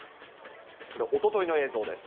これ、おとといの映像です。